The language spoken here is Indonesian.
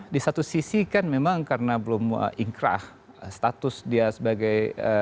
di satu sisi kan memang karena belum ingkrah status dia sebagai